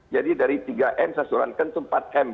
jadi dari tiga m saya surankan itu empat m